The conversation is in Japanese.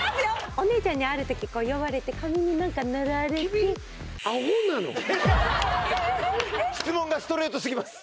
お姉ちゃんにある時呼ばれて髪に何か塗られて君質問がストレートすぎます